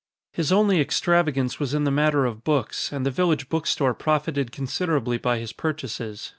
His only extravagance was in the matter of books, and the village book store profited considerably by his purchases.